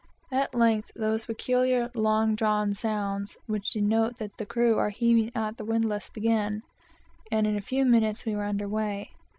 At length those peculiar, long drawn sounds, which denote that the crew are heaving the windlass, began, and in a few moments we were under weigh.